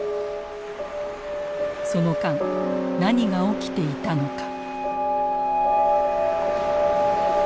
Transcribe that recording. その間何が起きていたのか。